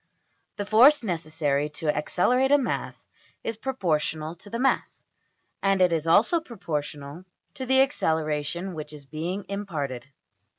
The force necessary to accelerate a mass is proportional to the mass, and it is also proportional to the acceleration which is being imparted.